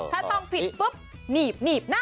ถ้าท่องผิดปุ๊บหนีบนะ